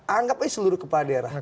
anggapnya seluruh kepala daerah